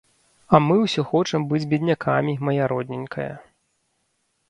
А мы ўсе хочам быць беднякамі, мая родненькая.